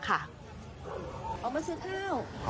ออกมาซื้อข้าว